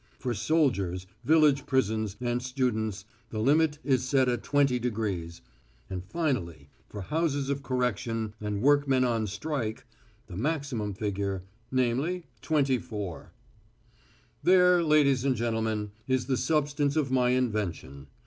For soldiers, village prisons, and students, the limit is set at 20 degrees, and, finally, for houses of correction and workmen on strike, the maximum figure, namely, 24. "There, ladies and gentlemen, is the substance of my invention.